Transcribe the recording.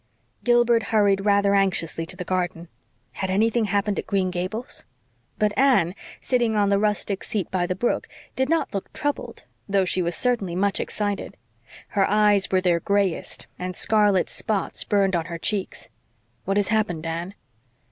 Gilbert hurried rather anxiously to the garden. Had anything happened at Green Gables? But Anne, sitting on the rustic seat by the brook, did not look troubled, though she was certainly much excited. Her eyes were their grayest, and scarlet spots burned on her cheeks. "What has happened, Anne?"